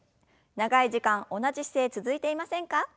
長い時間同じ姿勢続いていませんか？